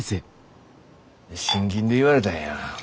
信金で言われたんや。